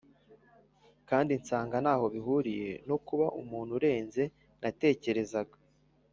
kandi nsanga ntaho bihuriye no kuba umuntu urenze natekerezaga”